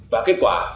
và kết quả